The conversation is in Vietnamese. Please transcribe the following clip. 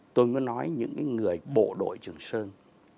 tôi muốn nói những người bộ đội trường sơn